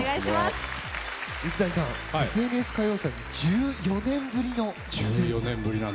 水谷さん「ＦＮＳ歌謡祭」は１４年ぶりの。